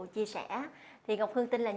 chia sẻ thì ngọc hương tin là